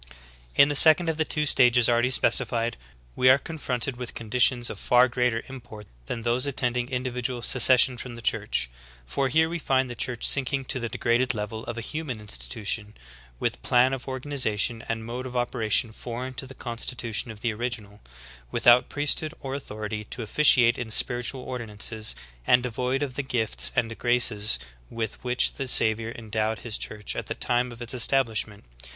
18. In the second of the two stages already specified, we are confronted with conditions of far greater import than those attending individual secession from the Church; for here we find the Church .sinking to 4:i^ d^grad€4 level cl a human institution, with plan of organization and mode of operation foreign to the constitution of the original, with out priesthood or authority to officiate in spiritual ordi nances, and devoid of the gifts and graces with which the Savior endowed His Church at the time of its establishment.